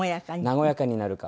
和やかになるか。